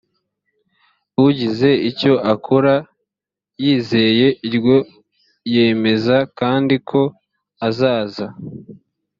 ugize icyo akora yizeye iryo yemeza kandi ko azaza